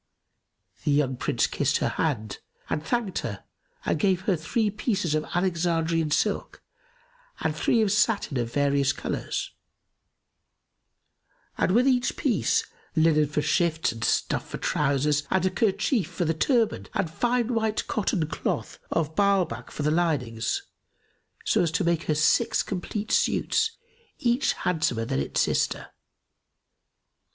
The young Prince kissed her hand and thanked her and gave her three pieces of Alexandrian silk and three of satin of various colours, and with each piece, linen for shifts and stuff for trousers and a kerchief for the turband and fine white cotton cloth of Ba'albak for the linings, so as to make her six complete suits, each handsomer than its sister.